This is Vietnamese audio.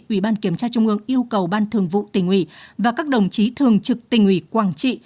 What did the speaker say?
ủy ban kiểm tra trung ương yêu cầu ban thường vụ tình ủy và các đồng chí thường trực tình ủy quang trị